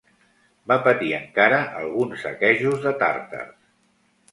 Va patir encara alguns saquejos de tàrtars.